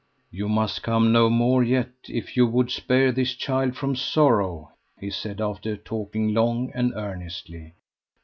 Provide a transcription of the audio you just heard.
"You must come no more yet, if you would spare this child from sorrow," he said, after talking long and earnestly.